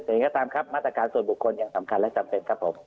แต่ยังไงก็ตามครับมาตรการส่วนบุคคลยังสำคัญและจำเป็นครับผม